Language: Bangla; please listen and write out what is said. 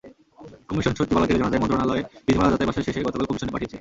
কমিশন সচিবালয় থেকে জানা যায়, মন্ত্রণালয় বিধিমালা যাচাই-বাছাই শেষে গতকাল কমিশনে পাঠিয়েছে।